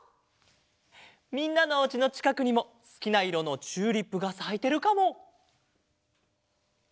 みんなのおうちのちかくにもすきないろのチューリップがさいてるかも！